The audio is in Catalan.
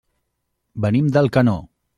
Venim d'Alcanó.